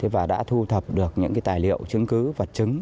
và đã thu thập được những tài liệu chứng cứ vật chứng